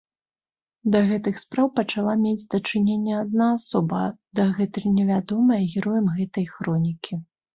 Да гэтых спраў пачала мець дачыненне адна асоба, дагэтуль невядомая героям гэтай хронікі.